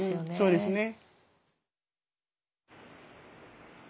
そうですね。